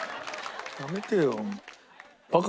やめてよ。